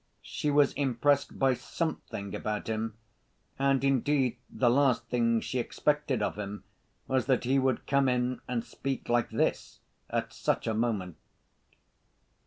She was impressed by something about him, and indeed the last thing she expected of him was that he would come in and speak like this at such a moment.